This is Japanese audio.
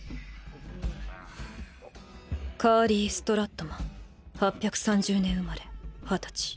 カーリー・ストラットマン８３０年生まれ二十歳。